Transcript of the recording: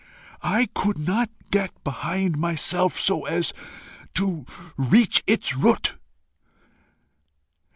I could not get behind myself so as to reach its root.